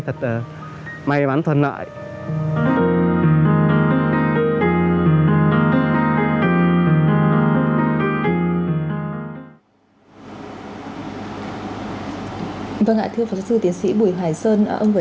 thật may mắn thuần nợ